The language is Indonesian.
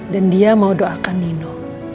dan dia mau doakan nino